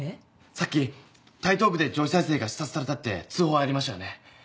さっき台東区で女子大生が刺殺されたって通報ありましたよね。